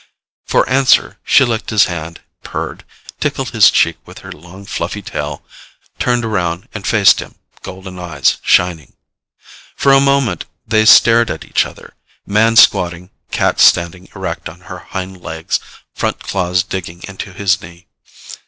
For answer, she licked his hand, purred, tickled his cheek with her long fluffy tail, turned around and faced him, golden eyes shining. For a moment, they stared at each other, man squatting, cat standing erect on her hind legs, front claws digging into his knee.